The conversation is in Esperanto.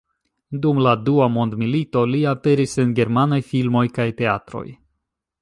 Dum la Dua mondmilito li aperis en germanaj filmoj kaj teatroj.